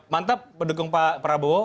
mantap mendukung pak prabowo